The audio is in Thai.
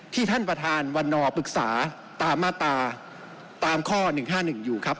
ท่านประธานวันนอปรึกษาตามมาตราตามข้อ๑๕๑อยู่ครับ